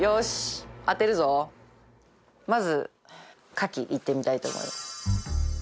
泙カキいってみたいと思います